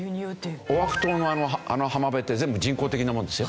オアフ島のあの浜辺って全部人工的なものですよ。